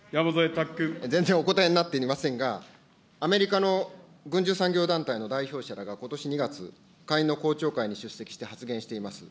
全然お答えになっておりませんが、アメリカの軍事産業団体の代表者がことし２月、下院の公聴会に出席して発言しています。